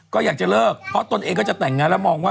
ก็อยากจะเลิกเพราะตนเองก็จะแต่งงานแล้วมองว่า